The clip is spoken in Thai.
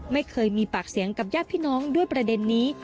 ไม่เคยมีปากเสียงกับญาติพี่น้องด้วยประเด็นนี้